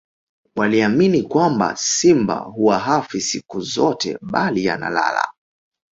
waliamini kwamba simba huwa hafi siku zote bali analala